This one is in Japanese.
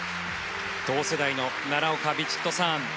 同世代の奈良岡、ヴィチットサーン。